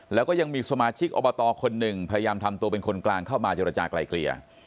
แล้วก็ยังมีสมาชิกอบตคนหนึ่งพยายามทำตัวเป็นคนกลางเข้ามาเจรจากลายเกลี่ย